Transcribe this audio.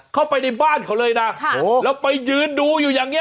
เข้าไปในบ้านเขาเลยนะแล้วไปยืนดูอยู่อย่างนี้